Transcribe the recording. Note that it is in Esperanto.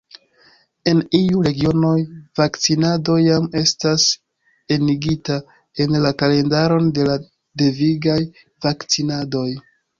En iuj regionoj vakcinado jam estas enigita en la kalendaron de la devigaj vakcinadoj.